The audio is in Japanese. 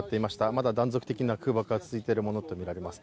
まだ断続的な空爆が続いているものとみられます。